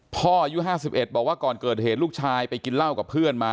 อายุ๕๑บอกว่าก่อนเกิดเหตุลูกชายไปกินเหล้ากับเพื่อนมา